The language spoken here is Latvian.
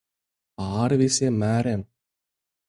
Pāri visiem mēriem.